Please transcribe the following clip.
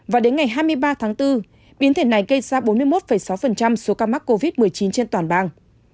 và đến ngày hai mươi ba tháng bốn biến thể này gây ra bốn mươi một sáu số ca mắc covid một mươi chín trên toàn bang